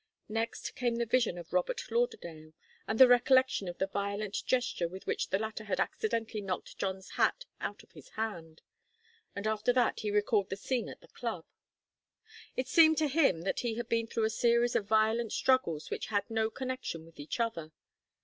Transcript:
Next came the vision of Robert Lauderdale and the recollection of the violent gesture with which the latter had accidentally knocked John's hat out of his hand; and after that he recalled the scene at the club. It seemed to him that he had been through a series of violent struggles which had no connection with each other.